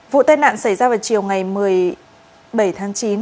vụ tai nạn xảy ra vào chiều ngày một mươi bảy tháng chín